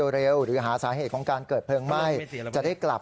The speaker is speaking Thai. เพราะน้องมันเป็นทำงานเข้ากาก